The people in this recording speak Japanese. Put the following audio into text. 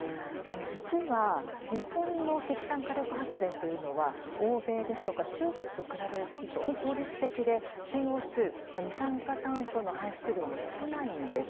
実は日本の石炭火力発電というのは欧米ですとか中国と比べると非常に効率的でＣＯ２・二酸化炭素の排出量も少ないんです。